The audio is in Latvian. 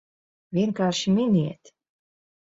Vienkārši miniet!